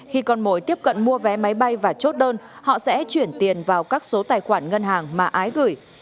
khi con mồi tiếp cận mua vé máy bay và chốt đơn họ sẽ chuyển tiền vào các số tài khoản ngân hàng mà ái gửi